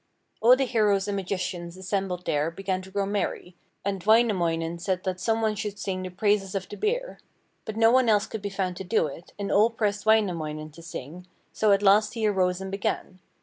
All the heroes and magicians assembled there began to grow merry, and Wainamoinen said that some one should sing the praises of the beer. But no one else could be found to do it, and all pressed Wainamoinen to sing, so at last he arose and began.